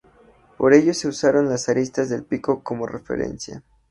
Por ello se usan las aristas del Pico como referencia.